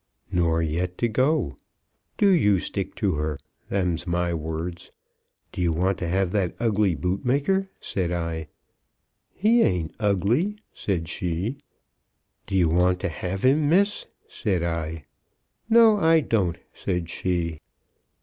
"Nor yet to go. Do you stick to her. Them's my words. 'D' you want to have that ugly bootmaker?' said I. 'He ain't ugly,' said she. 'D' you want to have him, Miss?' said I. 'No, I don't,' said she.